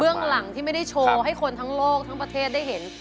เรื่องหลังที่ไม่ได้โชว์ให้คนทั้งโลกทั้งประเทศได้เห็น